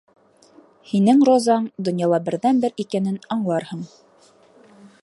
Һинең розаң донъяла берҙән бер икәнен аңларһың.